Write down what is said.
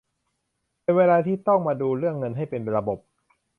เป็นเวลาที่ต้องมาดูเรื่องเงินให้เป็นระบบ